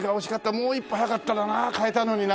もう一歩早かったらな買えたのにな。